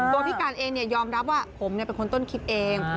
พี่การเองยอมรับว่าผมเป็นคนต้นคลิปเอง